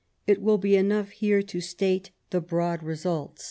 It will be enough here to state the broad results.